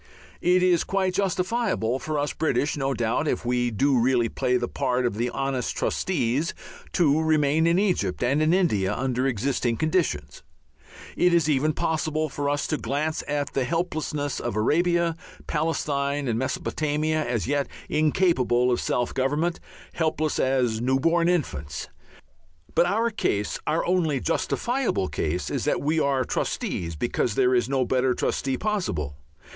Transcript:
It is quite justifiable for us British, no doubt, if we do really play the part of honest trustees, to remain in Egypt and in India under existing conditions; it is even possible for us to glance at the helplessness of Arabia, Palestine, and Mesopotamia, as yet incapable of self government, helpless as new born infants. But our case, our only justifiable case, is that we are trustees because there is no better trustee possible.